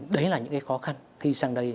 đấy là những cái khó khăn khi sang đây